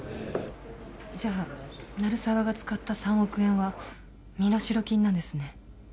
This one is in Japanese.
じゃ鳴沢が使った３億円は身代金なんですね？